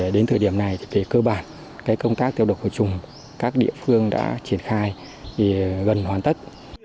đến thời điểm này thì cơ bản công tác tiêu độc khởi trùng các địa phương đã triển khai gần hoàn tất